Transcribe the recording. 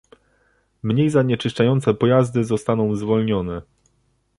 Mniej zanieczyszczające pojazdy zostaną zwolnione